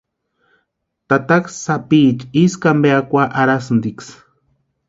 Tataka sápiicha Ísku ampe akwa arhasïntiksï.